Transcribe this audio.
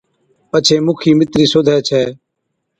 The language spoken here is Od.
پڇي مُکِي مِترِي سوڌي ڇَي